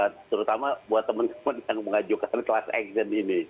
terutama buat teman teman yang mengajukan kelas aksion ini